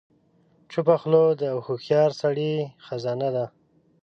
چپه خوله، د هوښیار سړي خزانه ده.